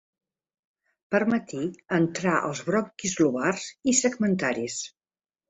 Permetí entrar als bronquis lobars i segmentaris.